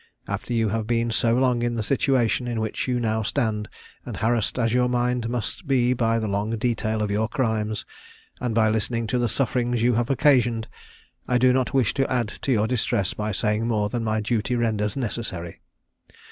After you have been so long in the situation in which you now stand, and harassed as your mind must be by the long detail of your crimes, and by listening to the sufferings you have occasioned, I do not wish to add to your distress by saying more than my duty renders necessary.